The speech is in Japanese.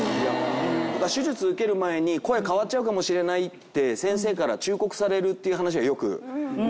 手術受ける前に「声変わっちゃうかもしれない」って先生から忠告されるっていう話はよく聞いていたので。